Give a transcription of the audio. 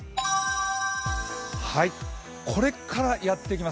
これからやってきます。